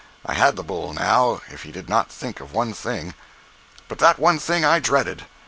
I had the bull, now, if he did not think of one thing. But that one thing I dreaded.